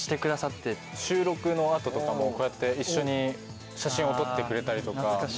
収録の後とかもこうやって一緒に写真を撮ってくれたりとか。